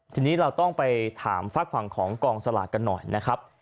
ทีนี้เราต้องไปถามฝากฝั่งของกองสลากกันหน่อยนะครับ